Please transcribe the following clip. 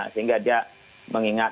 sehingga dia mengingat